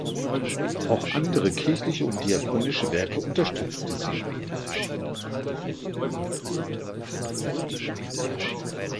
Auch andere kirchliche und diakonische Werke unterstützte sie.